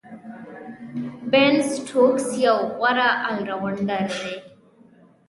بین سټوکس یو غوره آل راونډر دئ.